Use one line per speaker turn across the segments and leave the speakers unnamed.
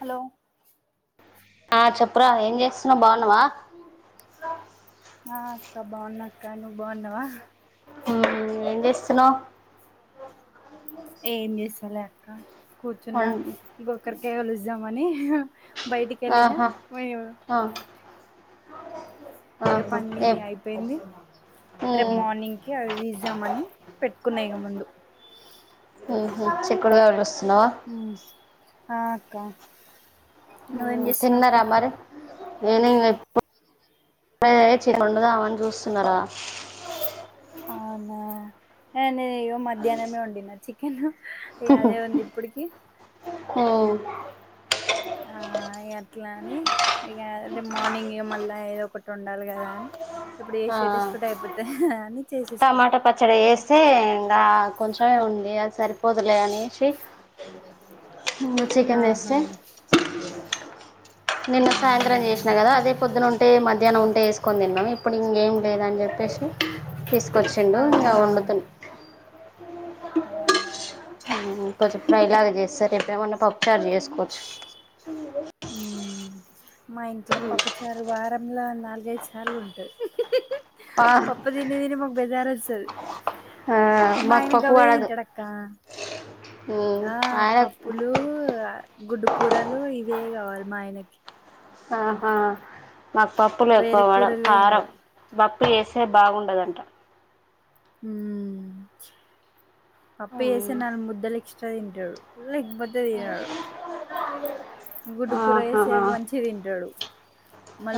Hello
ఆ చెప్పరా ఏం చేస్తున్నావు బాగున్నావా
ఆ అక్క బాగున్నాక్క నువ్వు బావున్నావా
ఊ ఏం చేస్తున్నావు
ఏం చేస్తాలే అక్క కూర్చున్న గోకరకాయ ఒలుస్దామని బయటికేళ్లినా
ఆహా
అయ్యో
ఆ
ఇగ
ఆహా
పని
ఏ
అయిపోయింది రేప్
ఉమ్,
మార్నింగ్ ఇగ తీస్తామనిపెట్టుకున్న ఇగ ముందు
ఊహు చిక్కుడుగాయ ఓలుస్తున్నావా
హ్మ్మ్ ఆ అక్క నువ్వేం చేస్తున్నావు అక్క
తిన్నరా మరి నేనె ఇంగ ఇప్పడే చికెన్ వండుదామని చూస్తున్నరా.
అవునా నేను ఇగో మధ్యాహ్నమే వండినచికెన్
హుహు ఊ
ఆ ఇగ ఎట్లా అని ఇగ రేప్ మార్నింగ్ ఇగ మళ్ళ ఏదో ఒకటి వండాలి కదా ఇప్పుడు
ఆ,
చేసి పెట్టేసుకుంట్టే అయిపోతాది. కదా అని చేసేసుకుంటాం.
పచ్చడ చేస్తే ఇంకా కొంచెమే ఉంది. అది సరిపోదులే అనేసి ఇంగ చికెన్
ఆహా
తెస్తే నిన్ను
అవునా
సాయంత్రం చేసిన అదే కదా అదే పొద్దున ఉంటే మధ్యాహ్నం ఉంటే ఏసుకొని తిన్నాం. ఇప్పుడు ఇంకేం లేదుని చెప్పేసి తీసుకొచ్చిండు. ఇగ
ఆహా
వండుతున్నా,
అవునా,
ఊ కొంచెం ఫ్రైలాగ చేస్తే రేపు ఎప్పుడైనా పప్పుచారు చేసుకోవచ్చు. ఊ ఆ
ఊ మా ఇంట్లో పాప్పుచారు వారంలో నాలుగైదు సార్లు ఉంటాయి.
ఆ,
పప్పు తిని తిని మాకు బెజార్ వస్తది.
ఆ,
మా
మాకు
ఆయన
పప్పు
గవ్వే
పడదు
తింటాడక్క.
ఉమ్,
ఆ
ఆయన
పప్పులు గుడ్డుకూరలు ఇవేకావాలి. మా ఆయనకి,
ఆహా మాకు పప్పు ఎక్కువ
వేరే
పడవు
కూరలే
కారం
తినడు
పప్పు చేస్తే బాగుండదంట.
ఉమ్ పప్పు చేస్తే
ఉమ్,
నాలుగు ముద్దలు ఎక్స్ట్రా తింటాడు. లేకపోతే తినడు గుడ్డు కూర
ఆహా,
చేస్తే మంచిగా తింటాడు.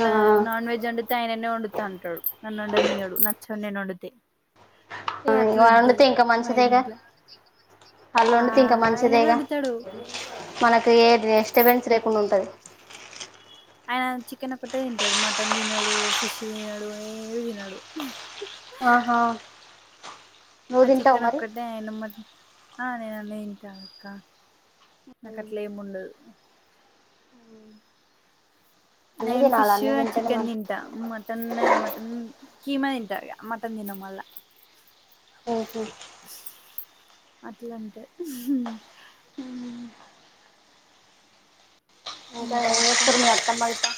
ఆ,
నాన్ వెజ్ వండితే ఆయననే వండుతా అంటాడు. నన్నుండనీయడు. నచ్చవు, నేను వండితే, ఇగ
ఇక వండితే
అట్లాంటది.
ఇంకా
మై
మంచిదేగా
ఆ అయిననే అందుతాడు.
మనకి ఏది డిస్టబెన్స్ లేకుండా ఉంటది.
ఆయన చికెన్ ఒకటే తింటాడు. మటన్ తినడు, ఫిష్ తినడు, ఏవి తిినడు
ఆహా నువ్వు
ఆ
తింటావు
చికెన్
మరి
ఓక్కట్ [unintelligible] ఆ నేనుఅన్ని తింటాక్క నాకు అట్లా ఏమి ఉండదు.
అన్నీ
నేన్ ఫిష్
తినాలి అన్నీ తింటేనే
చికన్
మంచి
తింట మటన్ మటన్ కీమ తింటారుగా మటన్ తినమల్ళ
ఆఓహ
అట్లాంటే
ఉ ఇకా
ఇంకా
ఏం
అక్క
చేస్తున్రు మీ అత్తమ్మ గిట్ల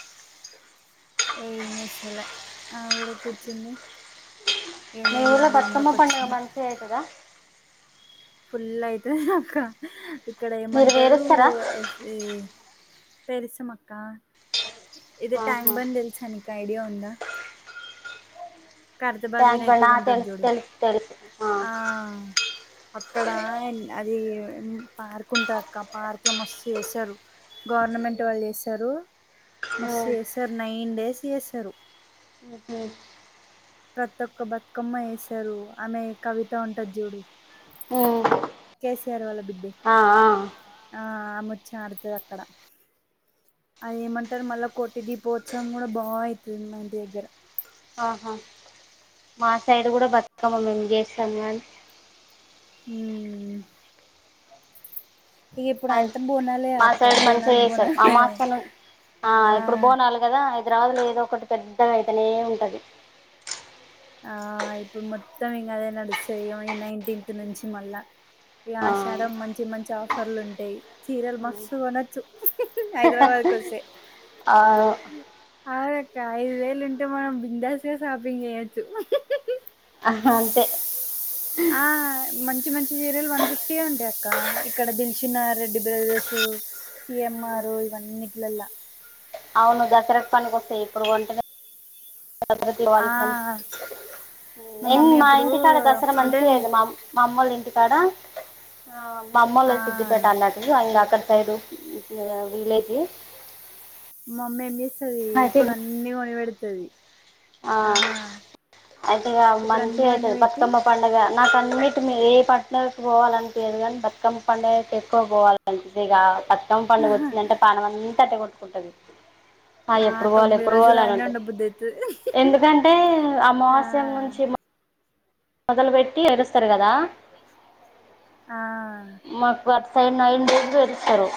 ఏం చేస్తలే ఆమే కూడా కూచుంది.
మీ ఊరిలో బతుకమ్మ పండుగ
వచ్చిన
మంచిగా అవుతుందా.
ఫుల్ అయితది అక్క ఇక్కడ
మీరు
ఏమంటారు.
వేరుస్తారా
ఎస్ పేరుస్తాం అక్క ఇది ట్యాంక్
ఆహా
బండ్ నీకు తెలుసా నీకు ఐడియా ఉందా. ఖైరతాబాదు
ట్యాంక్ బండ్
వినాయకుడు
ఆ,
ఉండడు.
తెలుసు
జూడు
తెలుసు తెలుసు
ఆ అక్కడ అది పార్క్ ఉంటాది అక్క పార్క్ లో మస్తు చేస్తారు. గవర్నమెంట్ వాళ్ళు చేస్తారు. మస్తు
ఉమ్,
చేస్తారు. నైన్ డేస్ చేస్తారు.
ఉ.
ప్రతి ఒక్క బతుకమ్మ ఎసారు ఆమె కవిత ఉంటది చూడు. కేసీఆర్ వాళ్ల బిడ్డే.
అ ఆ.
ఆ ఆ ముచ్చి ఆడుతది అక్కడ. అదిమంటారు మళ్ళా కొట్టి దీపోత్సవం కూడా బాగా అవుతుంది మా ఇంటి దగ్గర.
ఆహా మా సైడ్ కూడా బతుకమ్మ మేము చేస్తాము కాని.
ఊ. ఇప్పుడు
అ
అంతా బోనాలే
మా
అక్క
సైడ్ మంచిగా
బోనాలు
చేసారు ఆ
బోనాలే
మాస్తను ఎప్పుడు
ఆ
బోనాల. కదా హైదరాబదులో ఏదో ఒకటి పెద్దగా అతతేనే ఉంటది.
ఆ ఇప్పుడు మొత్తం ఇంకా నడుస్తది ఈ నైన్టీన్త్ నుంచి మళ్ళ. ఇ
ఆ,
ఆశాడం మంచి మంచి ఆఫర్లు ఉంటాయి చీరలు మస్తు కొనొచ్చు. హైదరాబాద్కు వస్తే.
ఆ,
అవునక్క ఐదు వేలుంటే మనం బిందాస్గా షాపింగ్ చేయొచ్చు.
ఆ అంతే.
ఆ మంచి మంచి సీరియల్ వన్ ఫిఫ్టీ అంటడి అక్క ఇక్కడ Dilsukhnagar Reddy brothers. C MR ఇవన్నీట్లాల్ల.
అవును దసరాపు పనినికికొస్తయి ఇప్పుడు వంటగా.
ఆ మమ్మీ
మా
అప్పుడు
ఇంటికాడ దసరా
అంటే
మంచిద మా మామ్మలు ఇంటికాడ మా
ఆ
అమ్మలు సిుద్దిపట్ట అన్నాడు. అం అక్కడ సైడు విలేజ్.
మామ్మ ఏం చేస్తుది
అయితే
ఇప్పుడు అన్ని కొనిపెడతది. ఆ.
అయితే ఈ
ఇప్పుడు
మంచి
అన్ని కొని
అయి
పెట్టి
బతుకమ్. పండుగ నాకు అన్నిటి ఏ పంటగకు పోవాలని తెదు కానీ బతుకమ్మ పండుగ ఎక్కువ పోవాలి. పంచిదిగా బతుకమ్ పండుగ వచ్చిందంటే పానం అంతా తట్టే కొట్టుకుంటది. ఆ ఎప్పుడు పోవాలి
తొమ్మిది
ఎప్పుడు
రోజులు అన్నే
పోవాలినంటే
ఉండ బుద్ధి అయితది
ఎందుకంటే
ఆ
అమాస్యం నుంచి. మొదలుపెట్టి ఏరుస్తారు కదా.
ఆ.
మాకు వర్ సైడ్ నైన్ డేజ పెస్తారు.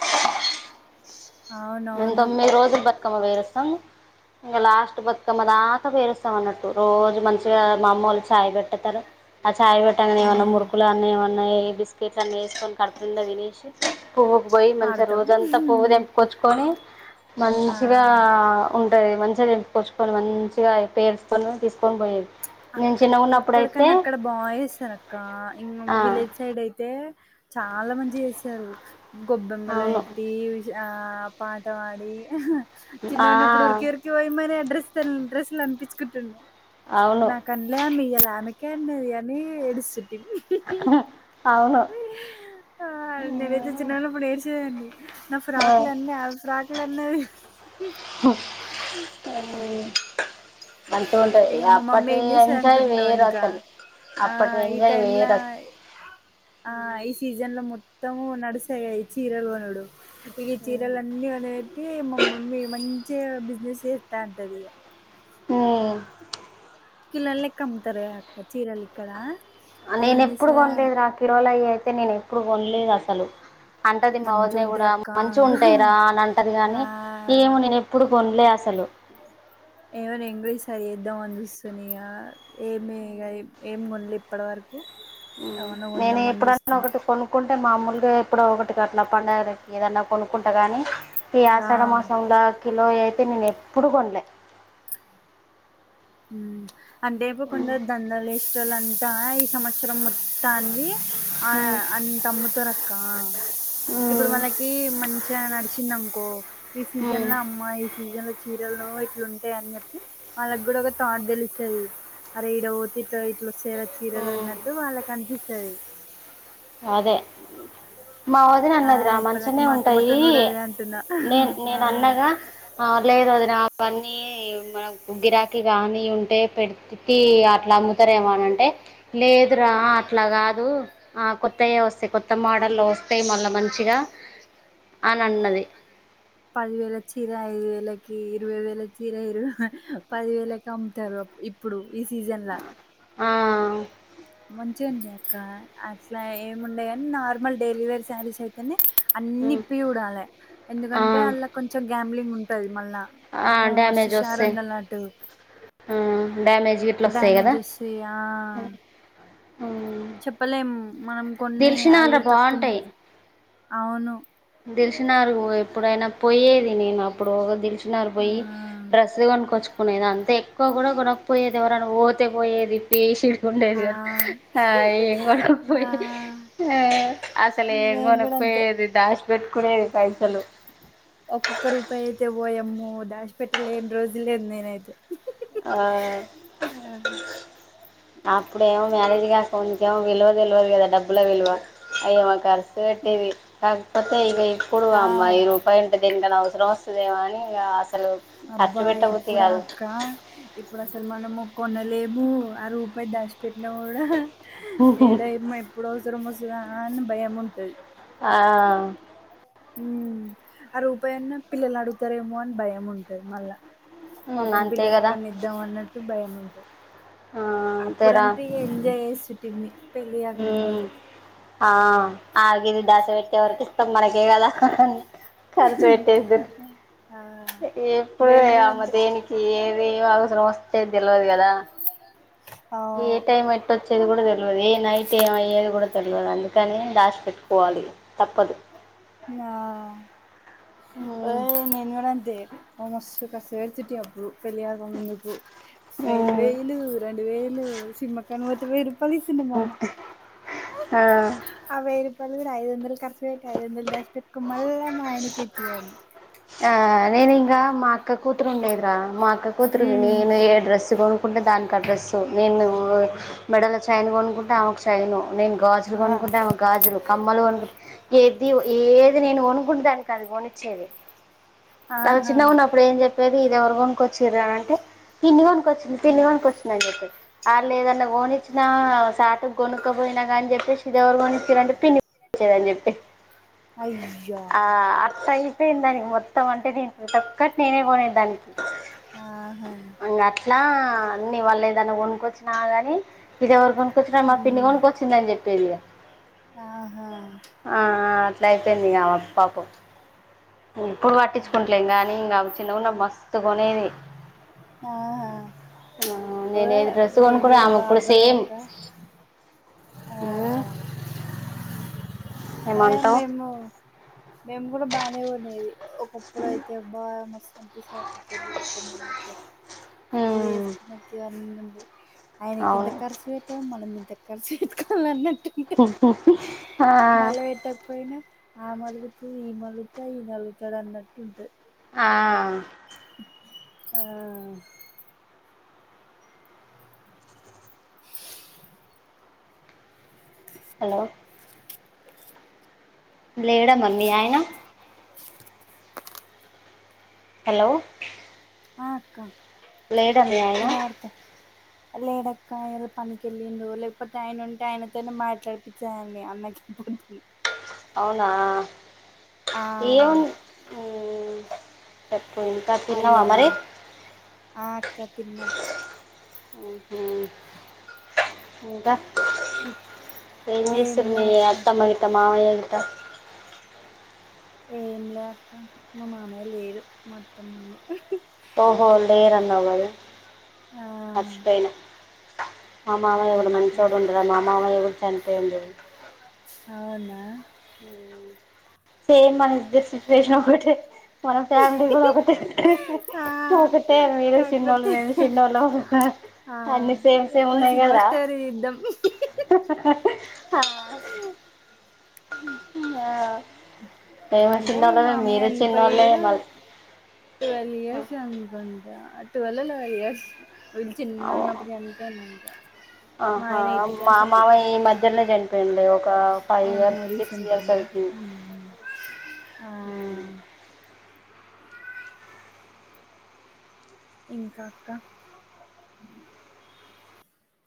మేం
అవునవును
తొమ్మిది రోజుల పతకమ్మా వైరస్ం. ఇంకా లాస్ట్ బతుకమ్మ దాకా పేరుస్తాం అన్నట్టు రోజు మంచిగా మా అమ్మ వాళ్ళు చాయ్ పెట్టతారు. ఆ చాయ పెట్టనే ఏమన్నా
ఉమ్
మురుకులు అన్నీ ఏమన్నా బిస్కెట్స్ అన్నీ వేసుకొని కడుతుందా వినేష్. పువ్వుకు పోయి మంచిగా
ఆడతాం
రోజంతా పువ్వు తెంపుకొచ్చుకొని మంచిగా. ఆ ఉంటుది మంచిగా తెసికొచ్చుకోవాలి మంచిగా పేర్సుకొని తీసుకొని పోయేది. నేను
అక్కే.
చిన్నగా ఉన్నప్పుడైతే
ఇక్కడకన్నా అక్కడ బాయస్తారు అక్క ఇ
ఆ
విలేజ్ సైడ్ అయితే. చాలా మంచి చేసారు గొబ్బెమ్మలు
అవును
ఏట్టి. ఆ పాట వాడి చిన్న చిన్నప్పుడు
ఆ
ఊరికి రిక్. పోయి మరి డ్రెస్ డ్రెస్లు అనిపుంటుండే.
అవును
నాకంలే మీయ ఆమెకే అన్నది అని ఏడిస్తుటి.
అవును.
ఆ నేనైతే చిన్న వాళ్ళు ఇప్పుడు నేర్చేదండి నా
ఆ
ఫ్రాక్లు అన్న ఫ్రాకులు అన్నవి.
మంచిగా ఉంటంది
ఇగ మా మమ్మీ
అప్పటి
ఏం చేస్తది
ఎంజాయ్
అనుకుంటున్నావు
వేరు
ఇంకా
అసలు.
ఆ
అప్పటి
ఈ
ఎంజాయ్
టైమ్లా
వేరు అది
ఆ ఈ సీజన్ లో మొత్తము నడుసాయి గద ఈ చీరలు కొనుడు ఇగ ఈ చీరలు అన్నీ కొని పెట్టి మా మమ్మి మంచిగా బిజినెస్ చేస్తా ఉంటది
ఊ
కిలలెక్క అమ్ముతారు కదా అక్క చీరలు ఇక్కడ
ఆ
అవి
నేను
ఏం
ఎప్పుడు కొనలేదు రా
చేస్తది
కిలోలయ అయితే నేను ఎప్పుడు కొనలేదు అసలు అంటది మా
మంచిగా
వదిన
ఉంటాయి
కూడా
అక్క
మంచి ఉంటాయిరా అని అంటది
ఆ
గానీ ఏమో నేను ఎప్ ఎప్పుడు కొనులే అసలు
ఏమైనా ఇంగ్లీ సరి చేద్దామ అని చూస్తుని ఇక ఏమి ఇగ ఏం కొనలే ఇప్పటివరకు కు ఏమైనా కొందామని చూస్తున్న
అనుకుంటే మామూలుగా ఎప్పుడో ఒకటి అట్లా పండగాల ఏదన్నా కొనుక్కుంటా కానీ ఈ ఆషాఢ
ఆ
మాసంలో కిలో అయితే నేను ఎప్పుడు కొనలే
ఊ అంటే ఇపు కొంద దందలు యేష్టలంతా ఈ సంవత్సరం తన్వి ఆ
ఉమ్
అంత మొ తొరక్క ఇప్పుడు
ఉమ్
మళ్నకి మంచిగా నడిచిందనుకో ఈ సీజన్
ఉమ్
లో అమ్మ ఈ సీజన్ లో చీరలు ఇట్లు ఉంటాయ అని చెప్పి వాళ్ళకి కూడా ఒక థాట్ తెలుస్తది అరే ఇడ పోతే ఇట్లా సేర చీరలు
ఉమ్
అన్నట్టు వాళ్ళకి అనిపిస్తది
అదే మా వదిన
ఆ
అన్నది రా
ఇప్పటిదాకా
మంచగానే
మా
ఉంటాయి
అత్తమ్మతోని కూడా అదే అంటున్నా
నేను
ఆ
నేను అన్నగా ఆ లేదు వదిన అవన్నీ మనకి గ్గిరాకి గాని ఉంటే పెడి టీ అట్లా అమ్ముతారేమో అని అంటే లేదురా అట్లా కాదు ఆ కొతయే వస్తాయి కొత్త మోడల్లో వస్తాయి మళ్ళీ మంచిగా అని అన్నది
పది వేల చీర ఐదు వేలకి ఇరవై వేల చీర ఇరవై పది వేలకి అమ్ముతారు అప్ ఇప్ ఇప్పుడు ఈ సీజన్ ల
ఆ
మంచిగుంటయ్ అక్క అట్లా ఏమి ఉండే కాని నార్మల్ డెలివరీ సారీస్ అయితే అని
ఉమ్
అన్నిప్పి ఉడాలి
ఆ
ఎందుకంటే అళ్లా కొంచెం గ్యాంబ్లింగ్ ఉంటది మళ్ళా
ఆ
అమ్మో
డ్యామేజ్
మస్తుషారు
వస్తాయి
ఉన్నలటు
ఆ డ్యామేజ్ ఇట్లా వస్తాయి కదా
డ్యామేజెస్ ఇయ చెప్పలేం మనం కొన్ని
దిల్షినాల
అదియో తక్కువనే
బాగుంటాయి
అవును
దిల్సుఖ్నగర్ పో ఎప్పుడైనా పోయేది నెనప్పుడు దిల్సుఖ్నగర్ దిల్షుక్నగర్
ఆ
పోయి డ్రస్సు కొనుక్కోచుక్ కొనేది అంత ఎక్కువ కూడా కొనకపోయేది ఎవరనా ఓతే పోయేది పేసి ఉండేది
ఆ
గానీ ఆ ఏం
ఆ
కొనకపోయేది ఆ అస్ సలు ఏం
మేము
కొనక
కూడా అంతే
పోయేది దాష్ బెట్ కునేది ఇది పైసలు
ఒక్కొక్క రూపాయి అయితే పోయామ్మో దాష్ పెట్టలేని రోజు లేదు నేనైతే
ఆ అప్పుడేమో మ్యారేజ్గాక ముందు కేమో విలువ తెలవదు కదా డబ్బుల విలువ అయ్యేమ కర్స్ వెట్టివి కాకపోతే ఇక ఇప్పుడు
ఆ
అమ్మా ఈ రూపాయింటే దీనికన్నా అవసరం వస్ తదేమొ అని ఇంగ
అబ్బా ఇప్పుడ అక్క ఇప్పుడు అసలు మనము కొనలేము ఆ రూపాయి దస్ పెట్టిన కూడా ఏడమ ఎప్పుడు అవసరం వస్తుందా అని భయం ఉంటుంది
ఆ
ఉ ఆ రూపాయున్న పిల్లలు అడుగుతారేమో అని భయం ఉంటది మళ్ళా
హ్మ్
పాపం
అంతే
పిల్లలకు
కదా
కన్న ఇద్దాం అన్నట్టు భయ ఉంటది
ఆ అంతేరా
అప్పుడంటే ఇగ ఎంజాయ్ చేసిటిమి
ఉ ఆ గీత ఆశ పెట్టేవరకి ఇస్తాం మనకే కదా ఖర్చు పెట్టేది
ఆ
ఎప్పుడు
మేము కూడా
అమ్మ
అంతే
దేనికి ఏది అవసరం వస్తదో తెలువది కథ ఏ
ఆ
టైమ్ ఎట్లా వచ్చేది కూడా తెలియదు ఏ నైట్ ఏమ అయ్యేది కూడా తెలియదు అందుకని దాసిపెట్టుకోవాలి తప్పదు
ఇగ ఆ
హ్మ్
నేను కూడా అంతే మస్తు ఖర్చు పెడుతుంటే పెళ్లి కాకముందు వేలు
హ్మ్
వేలు రెండు వేలు సినిమా కాకపోతే వేయి
ఓకే ఆ
ఆ వెయ్యి రూపాయలు కూడా ఐదు వందలు ఖర్చు పెట్టుకుని ఐదు వందలు దాచి పెట్టుకొని మల్ల మా ఆయనకి ఇచ్చేదాన్ని
ఆ నేను ఇంకా మా అక్క కూతురు ఉండే కదా మా అక్క కూతురు
ఉమ్
నేను ఏ డ్రెస్ కొ నుకుంటే దానికి అడ్రస్సు నేను మెడల చైను కొనుక్కుంటే ఆమెకు చేయను నేను గాజులు
ఆ
కొనుకుంటే గాజులు కమ్మలు కొనుకుంట ఏది ఏది నేను కొను ఇప్పుడు దానికి అది కొని ఇచ్చేది నాకు
ఆహా
చిన్నగా ఉన్న అప్పుడు ఏం చెప్ప బేబీ ఇది ఎవరు కొనుకొచ్చారు అని అంటే పిన్ని కొనుకొచ్చింది పిన్ని కొనుక వచ్చింది అని చెప్పి అల్లు ఏదైనా కొనిచ్చిన సాటుకు కోనుక్కపోయినా కాని చెప్పేసి ఎవరు కొనిచ్చారంటే పిన్ని కొనీచేది అని చెప్పేది
అయ్యా
ఆ అట్లా అయిపోయింది దానికి మొత్తం అంటే దీనికి ప్రతి ఒక్కటి నీనే కొనిచ్చే దాని
ఆహా
ఇగ అట్లా అన్ని వాళ్ళు ఏదైనా కొనుక్కొచ్చినా గానీ ఇది ఎవరు కొనుకొచ్చిన మా పిన్ని
ఉమ్
కొనుకొచ్చిందని చెప్పేది ఆ
ఆహా
ఆ అట్లా అయిపోయింది ఇగ ఆమెకు పాపం ఎప్పుడు పట్టించుకుంటలేం కానీ ఇంకా చిన్నగా ఉన్నప్పుడు మస్తు కొనేది
ఆహా
నేను ఏ డ్రెస్ కొనుక్కుంటే ఆమె కూడా సేమ్
అయ్యో ఆ
మ్మ్
ఏ
ఏమంటావ్
మేము మేము కూడా బాగానే కొనేది ఒకప్పుడు అయితే బాగా మస్తు అనిపిస్తది పెళ్ళి కాకముందుకు పెళ్లి
మ్మ్
చేసుకున్నాక అవన్నీ ఉండై ఆయన ఇంత
అవును
ఖర్చు పెట్టిండు మనం ఇంత ఖర్చు పెటుకోవాలి అన్నట్టు
ఉ ఊ ఊ
మల్ల పెట్టకపోయినా ఆమే అలుగుతది ఈమె అలుగుతది నేనే అలుగుతాడు అన్నట్టు ఉంటుంది
ఆ
ఆ
హలో లేడా మరీ మీ ఆయన హలో
ఆ అక్క
లేడా మీ ఆయన
వినబడతాది లేదక్కా ఏదో పనికి వెళ్ళిడు లేకపోతే ఆయన ఉంటే ఆయనతోనే మాట్లాడిపించే దాన్ని అన్నకి ఇప్పుడు
అవునా ఏం
ఆ
ఉంది
అయ్యయ్యో ఆ అక్క తిన్న
ఆహా ఇంకా ఏం చేస్తున్నారు
ఏంలే
మీ
అక్క
అత్తమ్మ గి ట్ట మామయ్య గిట్ట
ఏం లే అక్క మా మామయ్య లేడు మా అత్తముంది
ఓహో లేర్ అన్నావు కాద
ఆ
మర్చిపోయినా మా మామయ్య కూడా మంచోడు ఉండరా మా మామయ్య కూడా చనిపోయిండు
అవునా
సేమ్ ఇద్దరి సిచ్యువేషన్ ఒకటే మన ఫ్యామిలీ కూడా ఒకటే
ఆ
ఒకటే మీరు చిన్నోలు
కాకపోతే
మేము చిన్నోళ్ళము అన్నీ సేమ్ సేమ్ ఉన్నయ్ కదరా
చేద్దాం
హా ఆ ఆ మేము
అంటే
చిన్నోలమే
మామయ్య
మీరు
చనిపోయి
చిన్నవాళ్ళే
కూడా
మళ్ళ
ట్వెల్వ్ ఇయర్స్ అనుకుంటా ట్వెల్వ్ లెవ్న్ ఇయర్స్ వీళ్ళు చిన్నగా ఉన్నప్పుడు చనిపోయిండు అంటా మా
ఆహా
ఆయన ఎయిత్
మా
క్లాస్ అప్పుడు
ఈ మామయ్య మధ్యలోనే చచ్చిపోయిండు ఒక ఫైవ్
ఆహ
ఇయర్స్ సిక్స్
రీసెంట్
ఇయర్స్
గాన
అవుతుంది
ఇంకా అక్క